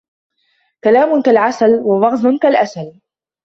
كلام كالعسل ووغزٌ كالأسل